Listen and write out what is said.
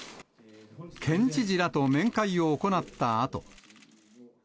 県知事らと面会を行ったあと。